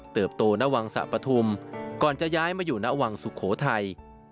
เติบโตนวังสะพะธุมก่อนจะย้ายมาอยู่นวังสุโขทัย